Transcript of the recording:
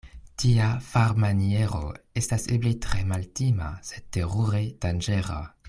Tia farmaniero estas eble tre maltima, sed terure danĝera.